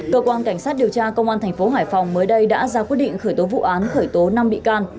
cơ quan cảnh sát điều tra công an thành phố hải phòng mới đây đã ra quyết định khởi tố vụ án khởi tố năm bị can